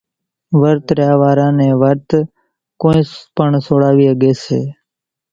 ورت ريا وارا نون ورت ڪونئين پڻ سوڙاوي ۿڳي سي۔